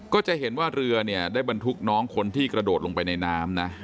ก็จะเห็นว่าเรือเนี่ยได้บรรทุกน้องคนที่กระโดดลงไปในน้ำนะ